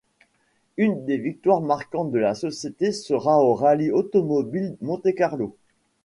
Une des victoires marquantes de la société sera au Rallye automobile Monte-Carlo.